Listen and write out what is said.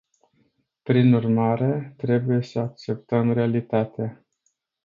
Prin urmare, trebuie să acceptăm realitatea.